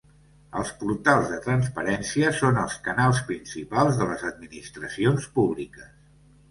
Els portals de transparència són els canals principals de les administracions públiques.